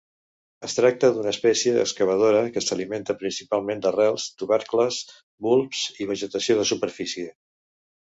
Es tracta d'una espècie excavadora que s'alimenta principalment d'arrels, tubercles, bulbs i vegetació de superfície.